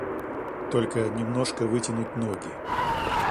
Только немножко вытянуть ноги.